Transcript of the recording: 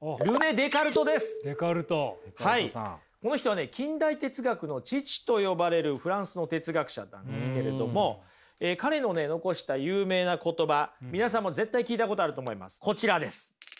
この人はね近代哲学の父と呼ばれるフランスの哲学者なんですけれども彼のね残した有名な言葉皆さんも絶対聞いたことあると思いますこちらです。